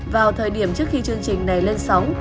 vào thời điểm trước khi chương trình này lên sóng